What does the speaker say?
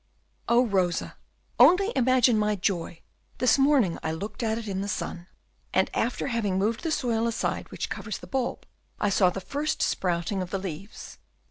"Oh, Rosa, only imagine my joy, this morning I looked at it in the sun, and after having moved the soil aside which covers the bulb, I saw the first sprouting of the leaves.